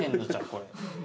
これ。